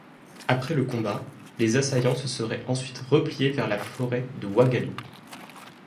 Après le combat, les assaillants se seraient ensuite repliés vers la forêt de Wagadou.